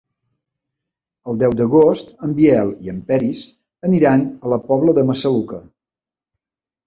El deu d'agost en Biel i en Peris aniran a la Pobla de Massaluca.